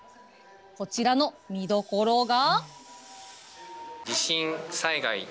こちらの見どころが。